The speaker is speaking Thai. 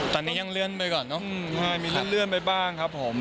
ตอนนี้ยังเลื่อนไปก่อนเนอะใช่มีเลื่อนไปบ้างครับผม